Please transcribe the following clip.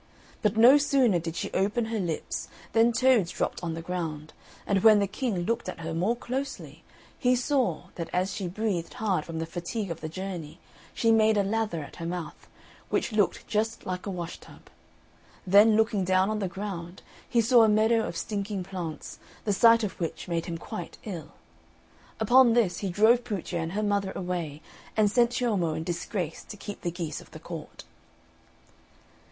But no sooner did she open her lips than toads dropped on the ground; and when the King looked at her more closely he saw, that as she breathed hard from the fatigue of the journey, she made a lather at her mouth, which looked just like a washtub; then looking down on the ground, he saw a meadow of stinking plants, the sight of which made him quite ill. Upon this he drove Puccia and her mother away, and sent Ciommo in disgrace to keep the geese of the court.